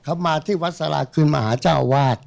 เขามาที่วัดสาราคืนมหาเจ้าวาด